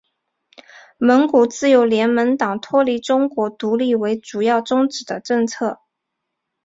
蒙古自由联盟党脱离中国独立为主要宗旨的政党。